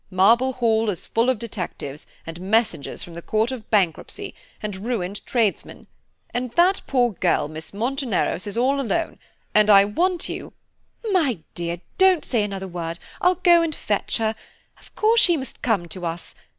Marble Hall is full of detectives, and messengers from the Court of Bankruptcy, and ruined tradesmen; and that poor girl, Miss Monteneros, is all alone, and I want you–" "My dear, don't say another word, I'll go and fetch her. Of course, she must come to us.